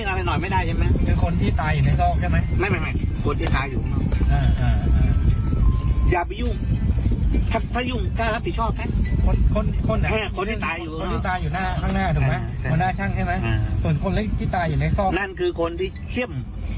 นั่นคือคนที่เช่ม